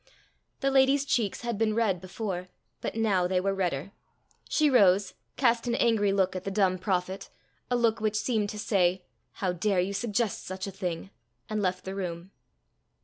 The lady's cheeks had been red before, but now they were redder. She rose, cast an angry look at the dumb prophet, a look which seemed to say "How dare you suggest such a thing?" and left the room.